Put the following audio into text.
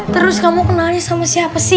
terus kamu kenalnya sama siapa sih